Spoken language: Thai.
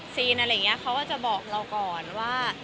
อะไรอย่างนี้เขาก็จะบอกเราก่อนว่า